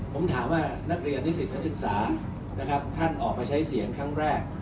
ผมถามว่านักเรียนนิสิตนักศึกษานะครับท่านออกมาใช้เสียงครั้งแรก